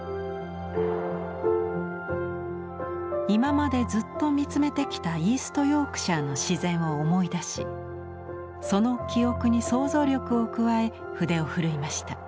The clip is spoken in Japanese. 今までずっと見つめてきたイースト・ヨークシャーの自然を思い出しその記憶に想像力を加え筆を振るいました。